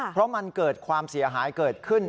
เพราะมันเกิดความเสียหายเกิดขึ้น